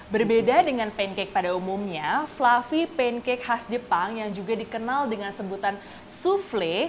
berbeda dengan pancake pada umumnya fluffy pancake khas jepang yang juga dikenal dengan sebutan souffle